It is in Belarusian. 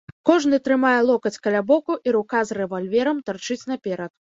Кожны трымае локаць каля боку і рука з рэвальверам тарчыць наперад.